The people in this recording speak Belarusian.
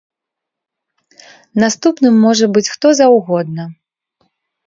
Наступным можа быць хто заўгодна.